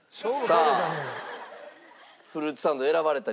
フルーツサンド選ばれた理由は？